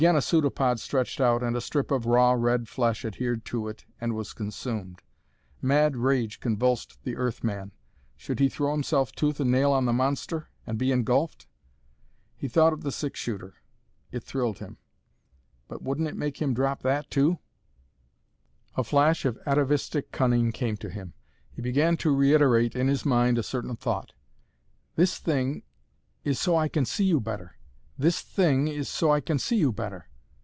Again a pseudopod stretched out and a strip of raw, red flesh adhered to it and was consumed. Mad rage convulsed the Earth man. Should he throw himself tooth and nail on the monster? And be engulfed? He thought of the six shooter. It thrilled him. But wouldn't it make him drop that too? A flash of atavistic cunning came to him. He began to reiterate in his mind a certain thought. "This thing is so I can see you better this thing is so I can see you better."